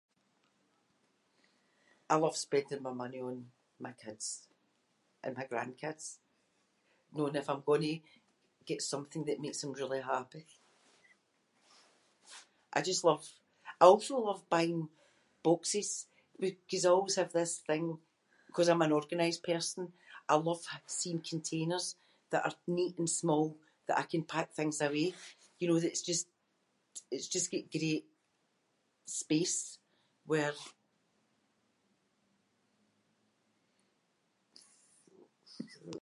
I love spending my money on my kids and my grandkids, knowing if I’m gonnae get something that makes them really happy. I just love- I also love buying boxes because I always have this thing, ‘cause I’m an organised person, I love seeing containers that are neat and small that I can pack things away, you know, that’s just- it’s just got great space where-